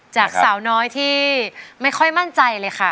จากสาวน้อยที่ไม่ค่อยมั่นใจเลยค่ะ